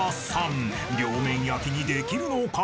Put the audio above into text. ［両面焼きにできるのか？］